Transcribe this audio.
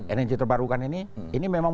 energi terbarukan ini ini memang